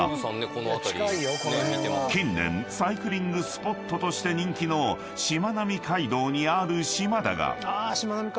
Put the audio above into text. ［近年サイクリングスポットとして人気のしまなみ海道にある島だが］